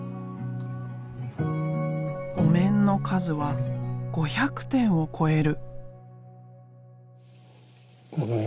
お面の数は５００点を超える。